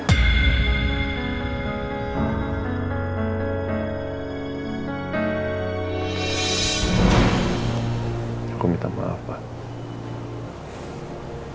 aku minta maaf pak